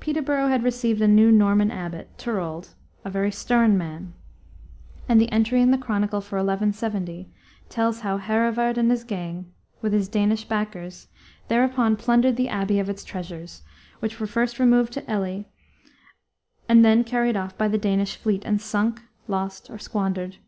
Peterborough had received a new Norman abbot, Turold, "a very stern man," and the entry in the chronicle for 1170 tells how Hereward and his gang, with his Danish backers, thereupon plundered the abbey of its treasures, which were first removed to Ely, and then carried off by the Danish fleet and sunk, lost, or squandered.